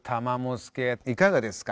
助いかがですか？